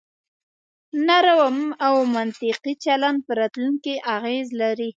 نرم او منطقي چلن په راتلونکي اغیز لري.